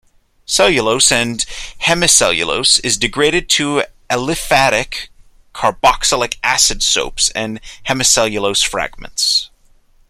Cellulose and hemicellulose is degraded to aliphatic carboxylic acid soaps and hemicellulose fragments.